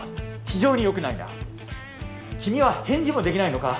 非常によくないな君は返事もできないのか？